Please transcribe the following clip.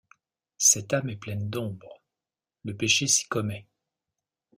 Cette âme est pleine d’ombre, le péché s’y commet.